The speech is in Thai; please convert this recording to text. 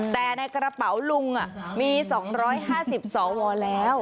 แต่ในกระเป๋าลุงมี๒๕๐สวแล้ว